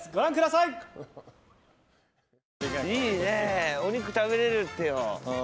いいね、お肉食べれるってよ。